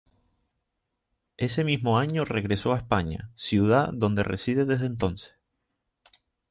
Ese mismo año regresó a España, ciudad donde reside desde entonces.